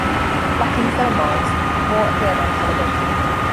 Lacking film roles, Moore appeared on television.